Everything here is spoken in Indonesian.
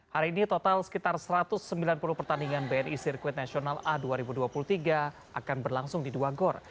hari ini total sekitar satu ratus sembilan puluh pertandingan bni sirkuit nasional a dua ribu dua puluh tiga akan berlangsung di dua gor